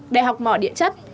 đại học mỏ điện chất